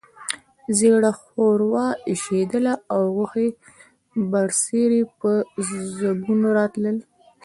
ژېړه ښوروا اېشېدله او غوښې بڅري په ځګونو راتلل.